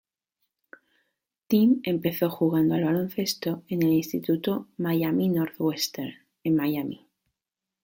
Tim empezó jugando al baloncesto en el Instituto Miami Northwestern, en Miami.